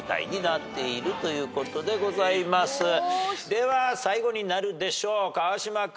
では最後になるでしょう川島君。